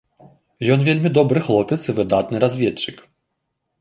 Ён вельмі добры хлопец і выдатны разведчык.